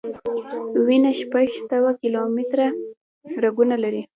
وینه شپږ سوه کیلومټره رګونه لري.